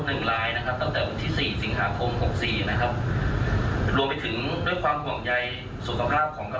ซึ่งมีโอกาสสูงเสี่ยงที่จะเกิดความคาดเคลื่อนหรือเข้าใจผิดของประชาชนได้ครับ